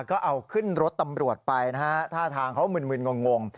ก็เอาขึ้นรถตำรวจไปนะฮะท่าทางเขามึนงง